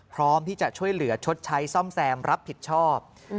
พร้อมที่จะช่วยเหลือชดใช้ซ่อมแซมรับผิดชอบ